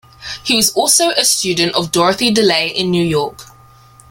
He was also a student of Dorothy DeLay in New York.